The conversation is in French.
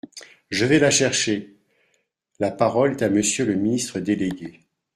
Je vais la chercher ! La parole est à Monsieur le ministre délégué.